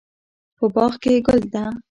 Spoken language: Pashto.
په باغ کې ګل ده